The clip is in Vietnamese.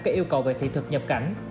các yêu cầu về thị thực nhập cảnh